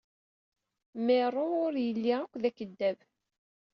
Meros ur yelli akk d akeddab.